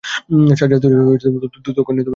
সাজ্জাদ হোসেন তক্ষুণি জীপ নিয়ে বেরুলেন।